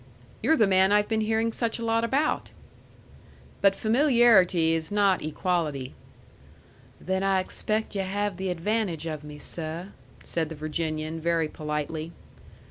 "You're the man I've been hearing such a lot about." But familiarity is not equality. "Then I expect yu' have the advantage of me, seh," said the Virginian, very politely.